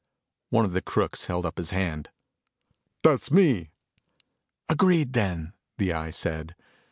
One of the crooks held up his hand. "That's me." "Agreed, then," the Eye said.